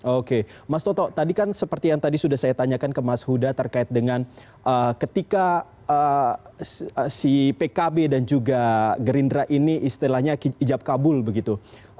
oke mas toto tadi kan seperti yang tadi sudah saya tanyakan ke mas huda terkait dengan ketika si pkb dan juga gerindra ini istilahnya hijab kabul begitu